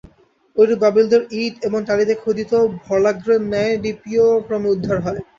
ঐরূপ বাবিলদের ইঁট এবং টালিতে খোদিত ভল্লাগ্রের ন্যায় লিপিও ক্রমে উদ্ধার হয়।